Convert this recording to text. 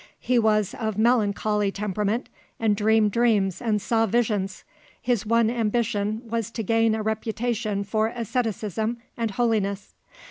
He was of melancholy temperament, and dreamed dreams and saw visions; his one ambition was to gain a reputation for asceticism and holiness.